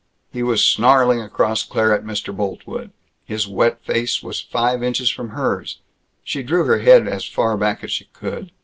He was snarling across Claire at Mr. Boltwood. His wet face was five inches from hers. She drew her head as far back as she could.